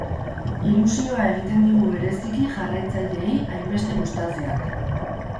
Ilusioa egiten digu bereziki, jarraitzaileei hainbeste gustatzeak.